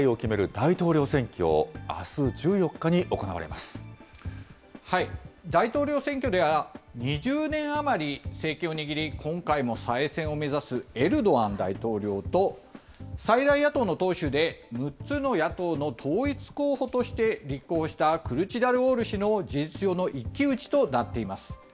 大統領選挙、大統領選挙では２０年余り、政権を握り、今回も再選を目指すエルドアン大統領と、最大野党の党首で、６つの野党の統一候補として、立候補したクルチダルオール氏の事実上の一騎打ちとなっています。